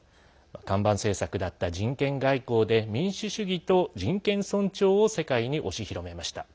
看板政策だった人権外交で民主主義と人権尊重を押し広めました。